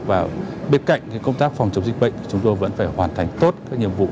và bên cạnh công tác phòng chống dịch bệnh chúng tôi vẫn phải hoàn thành tốt các nhiệm vụ